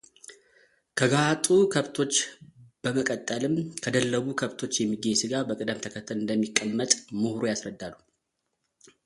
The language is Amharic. ከጋጡ ከብቶች በመቀጠልም ከደለቡ ከብቶች የሚገኝ ሥጋ በቅደም ተከተል እንደሚመቀመጥ ምሁሩ ያስረዳሉ።